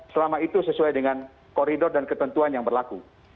selama itu sesuai dengan koridor dan ketentuan yang berlaku